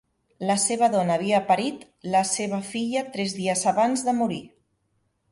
La seva dona havia parit la seva filla tres dies abans de morir.